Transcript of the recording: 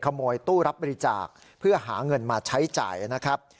ตู้รับบริจาคเพื่อหาเงินมาใช้จ่ายนะครับ